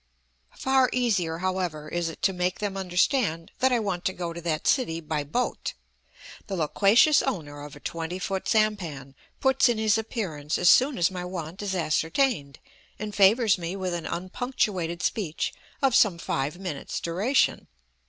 Far easier, however, is it to make them understand that I want to go to that city by boat. The loquacious owner of a twenty foot sampan puts in his appearance as soon as my want is ascertained, and favors me with an unpunctuated speech of some five minutes' duration.